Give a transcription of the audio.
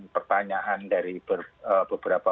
pertanyaan dari beberapa